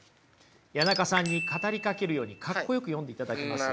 谷中さんに語りかけるようにかっこよく読んでいただけます？